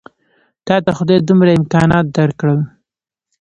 تاته خدای دومره امکانات درکړل.